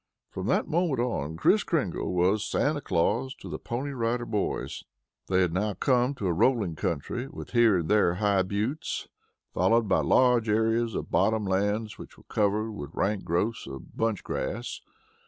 From that moment on, Kris Kringle was Santa Claus to the Pony Rider Boys. They had now come to a rolling country, with here and there high buttes, followed by large areas of bottom lands which were covered with rank growths of bunch grass.